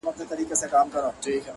نو گراني تاته په ښكاره نن داخبره كوم!